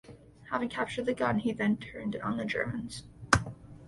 Having captured the gun, he then turned it on the Germans.